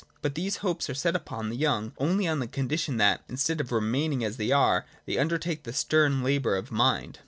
But these hopes are set upon the young, only on the condition that, instead of re maining as they are, they undertake the stern labour of mind.